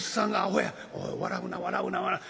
「おい笑うな笑うな笑うな」。